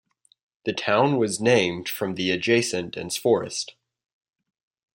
The town was named from the adjacent dense forests.